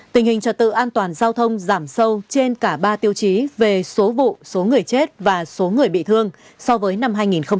tình hình trật tự an toàn giao thông giảm sâu trên cả ba tiêu chí về số vụ số người chết và số người bị thương so với năm hai nghìn một mươi tám